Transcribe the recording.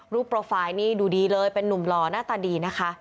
โปรไฟล์นี่ดูดีเลยเป็นนุ่มหล่อหน้าตาดีนะคะ